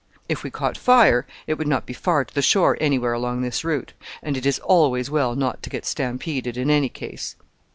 If we caught fire, it would not be far to the shore anywhere along this route; and it is always well not to get stampeded in any case."